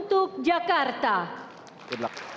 sekarang kami akan membuild jalur saja ke dalamnya